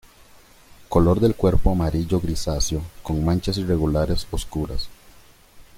Color del cuerpo amarillo grisáceo con manchas irregulares oscuras.